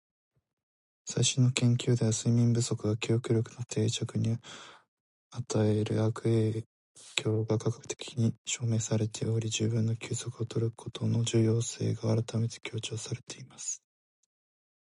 「最新の研究では、睡眠不足が記憶力の定着に与える悪影響が科学的に証明されており、十分な休息を取ることの重要性が改めて強調されています。」